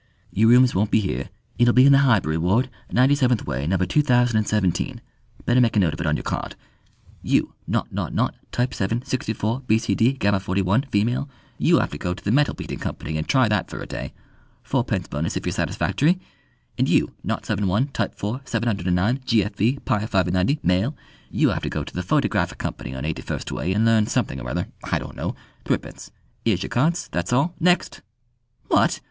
"Y'r rooms won't be here; it'll be in the Highbury Ward, Ninety seventh Way, number two thousand and seventeen. Better make a note of it on y'r card. You, nought nought nought, type seven, sixty four, b.c.d., gamma forty one, female; you 'ave to go to the Metal beating Company and try that for a day fourpence bonus if ye're satisfactory; and you, nought seven one, type four, seven hundred and nine, g.f.b., pi five and ninety, male; you 'ave to go to the Photographic Company on Eighty first Way, and learn something or other I don't know thrippence. 'Ere's y'r cards. That's all. Next! _What?